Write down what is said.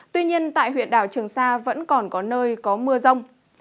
tuy nhiên tại huyện đảo trường sa vẫn còn có nơi có mưa rông